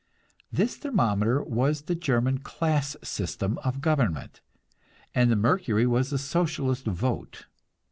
This thermometer was the German class system of government, and the mercury was the Socialist vote.